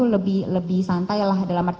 lebih santai dalam arti